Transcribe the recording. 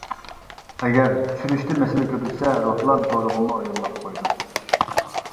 ئەگەر چۈشۈرۈشتە مەسىلە كۆرۈلسە روھلان تورىغىمۇ يوللاپ قويدۇم.